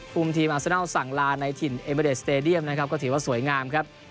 ทีมอาเซนัลสั่งลาในถิ่นเอเบอเดสสเตดียมนะครับก็ถือว่าสวยงามครับ